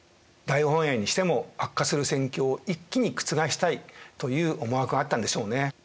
大本営にしても悪化する戦況を一気に覆したいという思惑があったんでしょうね。